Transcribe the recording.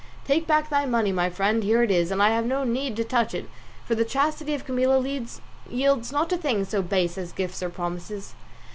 Take back thy money, my friend; here it is, and I have had no need to touch it, for the chastity of Camilla yields not to things so base as gifts or promises.